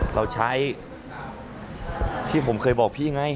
เราใช้ที่ผมเคยบอกพี่ไง